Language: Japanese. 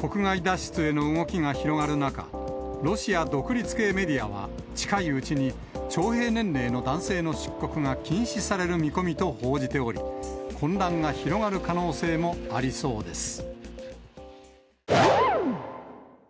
国外脱出への動きが広がる中、ロシア独立系メディアは、近いうちに徴兵年齢の男性の出国が禁止される見込みと報じており、混乱が広がる可能性もありそうです。